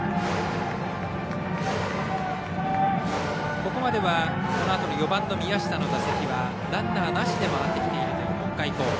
ここまではこのあとの４番の宮下の打席はランナーなしで回ってきているという北海高校。